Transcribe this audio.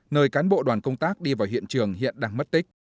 nơi cán bộ đoàn công tác đi vào hiện trường hiện đang mất tích